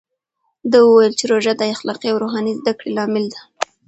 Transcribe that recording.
ده وویل چې روژه د اخلاقي او روحاني زده کړې لامل ده.